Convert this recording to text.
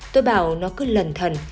tôi bảo nó cứ lần thần